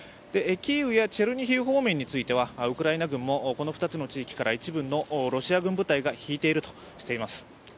キーウやチェルニヒフ方面についてはウクライナ軍もこの２つの地域から一部のロシア軍軍隊が引いているとしています。